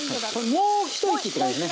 もう一息って感じですね。